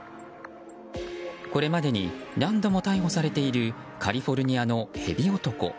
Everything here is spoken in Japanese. これまでに何度も逮捕されているカリフォルニアのヘビ男。